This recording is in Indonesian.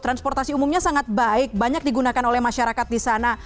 transportasi umumnya sangat baik banyak digunakan oleh masyarakat disana